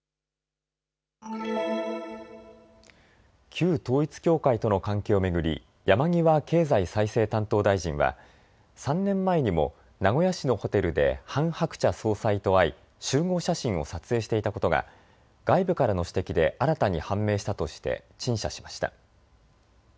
旧統一教会との関係を巡り山際経済再生担当大臣は３年前にも名古屋市のホテルでハン・ハクチャ総裁と会い集合写真を撮影していたことが外部からの指摘で新たに判明したとして陳謝しました。